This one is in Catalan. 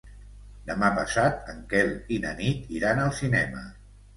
Demà passat en Quel i na Nit iran al cinema.